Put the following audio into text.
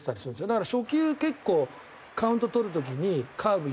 だから初球結構カウント取る時にカーブ